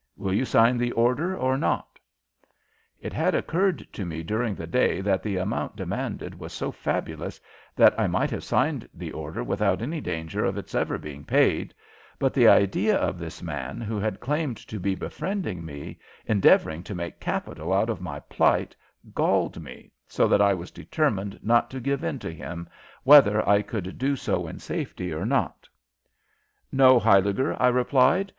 Will you sign the order or not?" It had occurred to me during the day that the amount demanded was so fabulous that I might have signed the order without any danger of its ever being paid, but the idea of this man, who had claimed to be befriending me, endeavoring to make capital out of my plight galled me so that I was determined not to give in to him, whether I could do so in safety or not. "No, Huyliger," I replied.